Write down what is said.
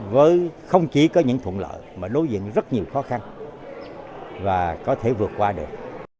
với không chỉ có những thuận lợi mà đối diện rất nhiều khó khăn và có thể vượt qua được